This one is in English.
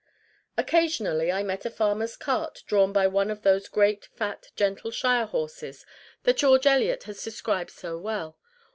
Occasionally, I met a farmer's cart drawn by one of those great, fat, gentle Shire horses that George Eliot has described so well.